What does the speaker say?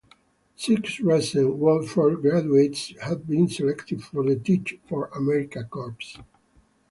Six recent Wofford graduates have been selected for the Teach For America Corps.